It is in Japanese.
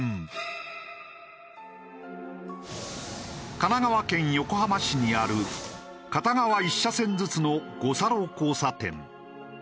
神奈川県横浜市にある片側一車線ずつの五差路交差点。